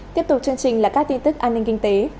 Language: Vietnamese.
tiếp tục chương trình là các tin tức an ninh kinh tế